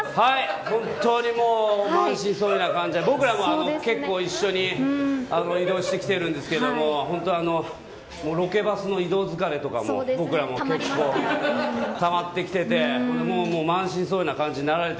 本当にもう、満身創痍な感じで、僕らも結構一緒に移動してきてるんですけども、本当、ロケバスの移動疲れとかも、僕らも結構たまってきてて、もう、満身創痍な感じになられて。